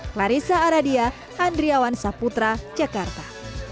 clarissa aradia andriawan saputra jakarta